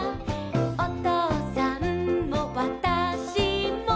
「おとうさんもわたしも」